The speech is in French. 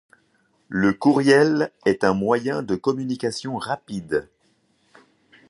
Le courriel est un moyen de communication rapide.